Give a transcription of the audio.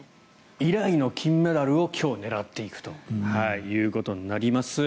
以来の金メダルを今日狙っていくということになります。